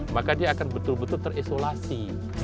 maka dia akan betul betul terisolasi